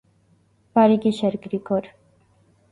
- Բարի՛ գիշեր, Գրիգոր…